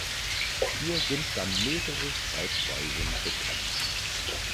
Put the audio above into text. Hier sind dann mehrere Schreibweisen bekannt.